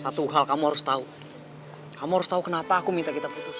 satu hal kamu harus tahu kamu harus tahu kenapa aku minta kita putus